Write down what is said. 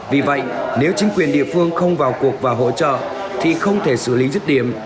vì vậy nếu chính quyền địa phương không vào cuộc và hỗ trợ thì không thể xử lý dứt điểm